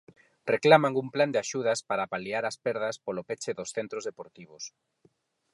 Reclaman un plan de axudas para paliar as perdas polo peche dos centros deportivos.